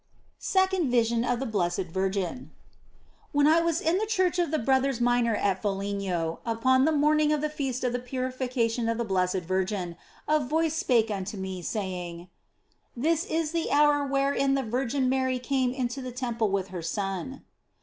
SECOND VISION OF THE BLESSED VIRGIN WHEN I was in the church of the Brothers Minor at Foligno upon the morning of the Feast of the Purification of the Blessed Virgin, a voice spake unto me, saying, "This is the hour wherein the Virgin Mary came into the Temple with her Son."